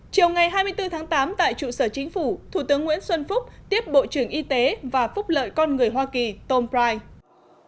chiều ngày hai mươi bốn tháng tám tại trụ sở chính phủ thủ tướng nguyễn xuân phúc tiếp bộ trưởng y tế và phúc lợi con người hoa kỳ tompride